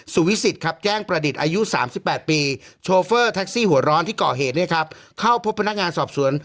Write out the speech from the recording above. สุวิสิตแกล้งประดิษฐ์อายุ๓๘ปีโชเฟอร์แท็กซี่หัวร้อนที่เกาะเหตุเข้าพบพนักงานสอบสวน